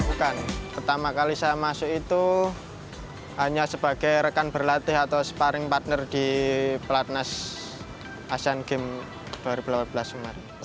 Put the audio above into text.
bukan pertama kali saya masuk itu hanya sebagai rekan berlatih atau sparring partner di pelatnas asian games dua ribu delapan belas kemarin